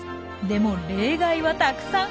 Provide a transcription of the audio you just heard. でも例外はたくさん。